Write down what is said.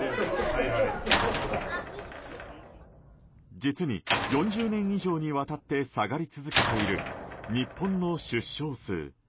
実に４０年以上にわたって下がり続けている日本の出生数。